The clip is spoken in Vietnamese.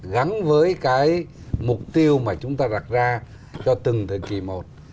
gắn với cái mục tiêu mà chúng ta đặt ra cho từng thời kỳ một